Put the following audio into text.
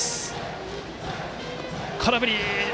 空振り！